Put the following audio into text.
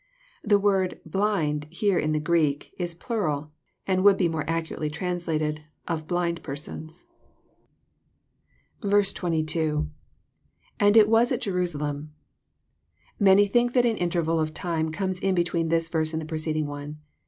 The word " blind " here in the Greek is plnral, and would be more accurately translated, '*of blind persons." 22.— [^nd it was at Jerusalem.'] Many think that an interval of time comes in between this verse and the preceding one.